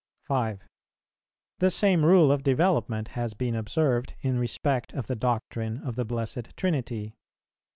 5. The same rule of development has been observed in respect of the doctrine of the Blessed Trinity.